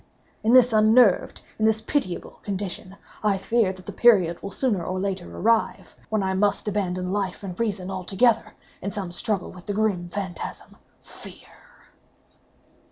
In this unnerved—in this pitiable condition—I feel that the period will sooner or later arrive when I must abandon life and reason together, in some struggle with the grim phantasm, FEAR."